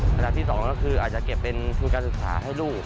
อันดับที่๒ก็คืออาจจะเก็บเป็นทุนการศึกษาให้ลูก